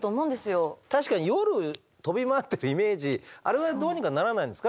確かに夜飛び回ってるイメージあれはどうにかならないんですか？